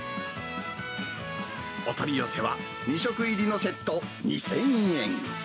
お取り寄せは２食入りのセット２０００円。